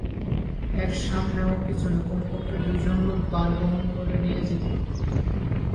এর সামনে ও পিছনে কমপক্ষে দুইজন লোক ভার বহন করে নিয়ে যেতো।